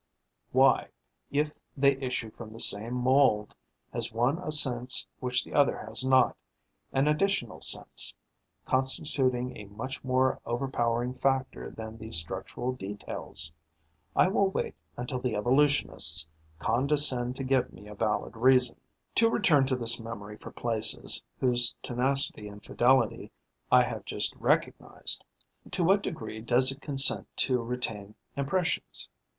Why, if they issue from the same mould, has one a sense which the other has not, an additional sense, constituting a much more overpowering factor than the structural details? I will wait until the evolutionists condescend to give me a valid reason. To return to this memory for places whose tenacity and fidelity I have just recognized: to what degree does it consent to retain impressions?